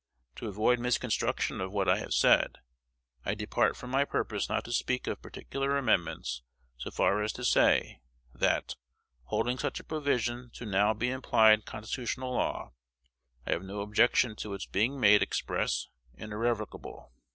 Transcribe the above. To avoid misconstruction of what I have said, I depart from my purpose not to speak of particular amendments so far as to say, that, holding such a provision to now be implied constitutional law, I have no objection to its being made express and irrevocable.